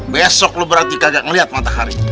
besok lu berarti kagak ngeliat matahari